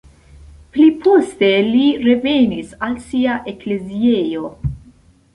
Pli poste li revenis al sia ekleziejo.